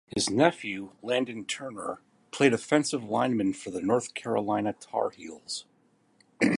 His nephew, Landon Turner, played offensive lineman for the North Carolina Tar Heels.